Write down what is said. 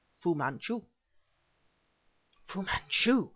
Fu Manchu.'" "Fu Manchu!